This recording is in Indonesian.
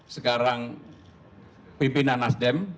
sekarang pimpinan nasdem